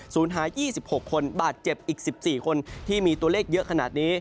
หา๒๖คนบาดเจ็บอีก๑๔คนที่มีตัวเลขเยอะขนาดนี้